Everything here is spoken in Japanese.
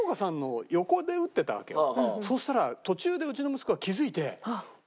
そしたら途中でうちの息子が気づいて。